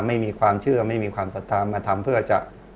ไม่มีความเชื่อไม่มีความศรัทธามาทำเพื่อจะ